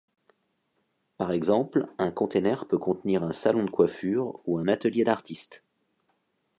Par exemple, un container peut contenir un salon de coiffure ou un atelier d'artistes.